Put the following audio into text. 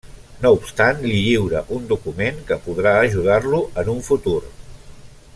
No obstant li lliura un document que podrà ajudar-lo en un futur.